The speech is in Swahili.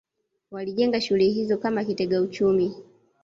Walijenga shule hizo kama kitega uchumi